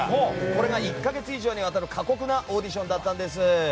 これが１か月以上にわたる過酷なオーディションだったんです。